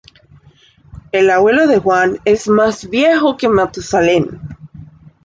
El abuelo de Juan es más viejo que Matusalén